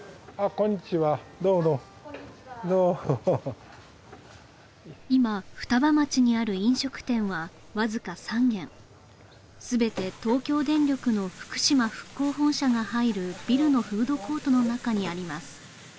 こんにちはどうもこんにちはどうも今双葉町にある飲食店はわずか３軒全て東京電力の福島復興本社が入るビルのフードコートの中にあります